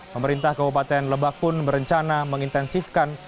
pemerintah kabupaten lebak pun berencana mengintensifkan